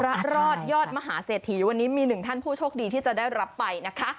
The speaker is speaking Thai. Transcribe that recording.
รอดยอดมหาเศรษฐีวันนี้มีหนึ่งท่านผู้โชคดีที่จะได้รับไปนะคะ